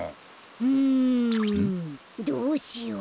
うんどうしよう。